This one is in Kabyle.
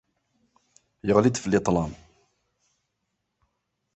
Yeɣli-d fell-i ṭṭlam.